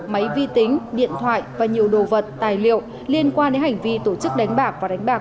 máy vi tính điện thoại và nhiều đồ vật tài liệu liên quan đến hành vi tổ chức đánh bạc và đánh bạc